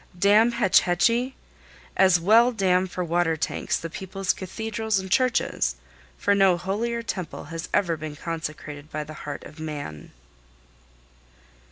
Dam Hetch Hetchy! As well dam for water tanks the people's cathedrals and churches, for no holier temple has ever been consecrated by the heart of man.